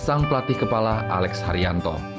sang pelatih kepala alex haryanto